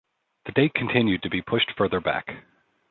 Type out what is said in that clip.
The date continued to be pushed further back.